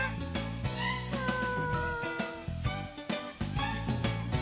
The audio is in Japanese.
うん。